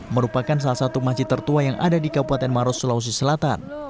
merupakan salah satu masjid tertua yang ada di kabupaten maros sulawesi selatan